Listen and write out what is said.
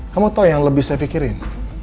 kamu tau yang lebih saya pikirin